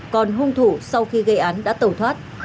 còn hung thủ sau khi gây án đã tẩu thoát